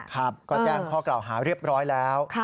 ครับก็แจ้งข้อกล่าวหาเรียบร้อยแล้ว